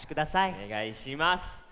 おねがいします。